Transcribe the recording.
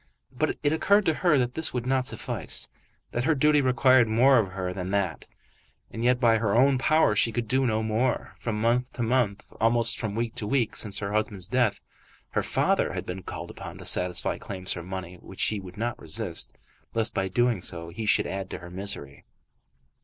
But it occurred to her that that would not suffice; that her duty required more of her than that. And yet, by her own power, she could do no more. From month to month, almost from week to week, since her husband's death, her father had been called upon to satisfy claims for money which he would not resist, lest by doing so he should add to her misery.